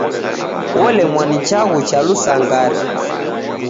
Olemwa ni chaghu cha lusangari.